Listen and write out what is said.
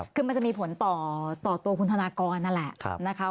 คือมันจะมีผลต่อตัวคุณธนากรนั่นแหละนะคะ